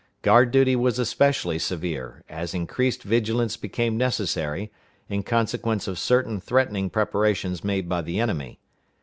Guard duty was especially severe, as increased vigilance became necessary, in consequence of certain threatening preparations made by the enemy.